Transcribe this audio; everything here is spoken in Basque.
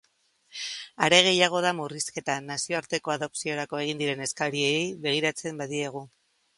Are gehiago da murrizketa, nazioarteko adopziorako egin diren eskariei begiratzen badiegu.